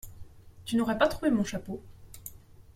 Tu n’aurais pas trouvé mon chapeau ?…